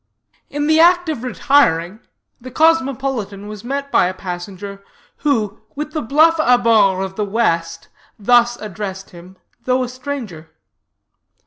In the act of retiring, the cosmopolitan was met by a passenger, who with the bluff abord of the West, thus addressed him, though a stranger.